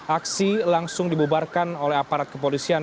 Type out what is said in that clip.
aksi langsung dibubarkan oleh aparat kepolisian